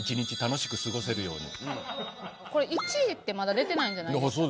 これ１位ってまだ出てないんじゃないですか？